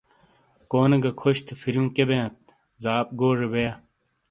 کونے گہ خوش تھے فریوں کیے بیانت زاپ گوزے بیا۔